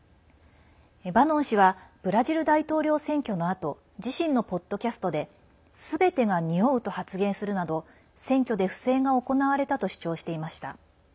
バノン氏はブラジル大統領選挙のあと自身のポッドキャストですべてが匂うと発言するなど選挙で不正が行われたと主張していました。